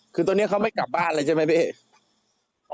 คือตอนนี้เขาไม่กลับบ้านเลยใช่ไหมพี่เอก